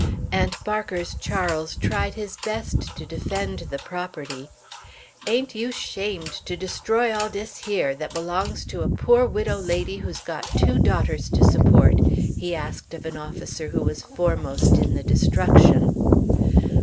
Aunt Barker's Charles tried his best to defend the property. "Ain't you 'shamed to destroy all dis here, that belongs to a poor widow lady who's got two daughters to support?" he asked of an officer who was foremost in the destruction.